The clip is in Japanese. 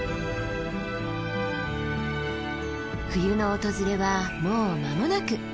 冬の訪れはもう間もなく。